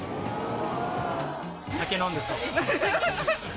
飲んでそう。